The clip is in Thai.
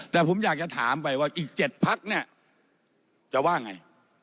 แต่ผมอยากจะถามไปว่าอีก๗ภักดิ์นี่จะว่าอย่างไร